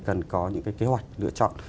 cần có những cái kế hoạch lựa chọn